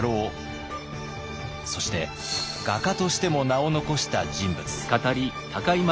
そして画家としても名を残した人物。